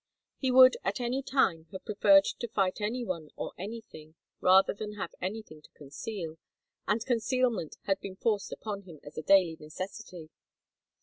He would at any time have preferred to fight any one or anything, rather than have anything to conceal, and concealment had been forced upon him as a daily necessity.